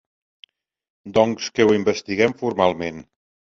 Doncs que ho investiguem formalment.